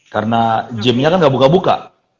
karena gimnya kan gak buka buka